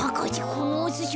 このおすし